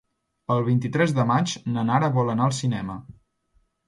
El vint-i-tres de maig na Nara vol anar al cinema.